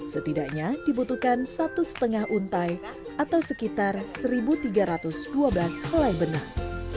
setidaknya dibutuhkan satu lima untai atau sekitar satu tiga ratus dua belas helai benang